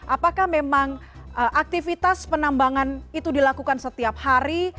apakah memang aktivitas penambangan itu dilakukan setiap hari